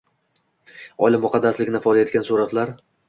Oila muqaddasligini ifoda etgan suratlar